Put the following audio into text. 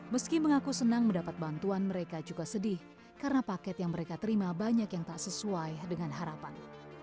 meski mengaku senang mendapat bantuan mereka juga sedih karena paket yang mereka terima banyak yang tak sesuai dengan harapan